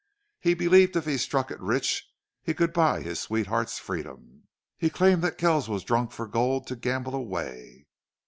He believed if he struck it rich he could buy his sweetheart's freedom. He claimed that Kells was drunk for gold to gamble away.